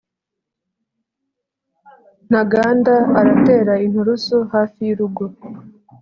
ntaganda aratera inturusu hafi yurugo